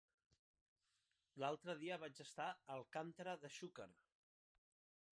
L'altre dia vaig estar a Alcàntera de Xúquer.